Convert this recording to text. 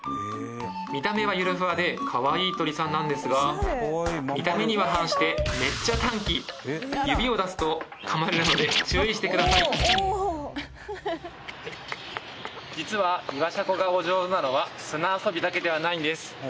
見た目はゆるふわでかわいい鳥さんなんですが見た目には反して指を出すと噛まれるので注意してください実はイワシャコがお上手なのは砂遊びだけではないんです